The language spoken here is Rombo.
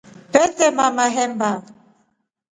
Tunetema mahemba.